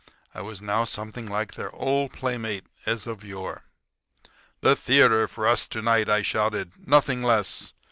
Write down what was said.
I was now something like their old playmate as of yore. "The theatre for us to night!" I shouted; "nothing less.